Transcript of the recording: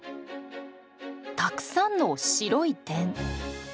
たくさんの白い点。